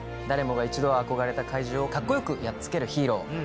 誰もが一度は憧れた怪獣をカッコ良くやっつけるヒーロー。